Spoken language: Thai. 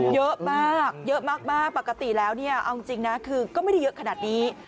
เยอะมากเยอะมากปกติแล้วเนี่ยเอาจริงนะคือก็ไม่ได้เยอะขนาดนี้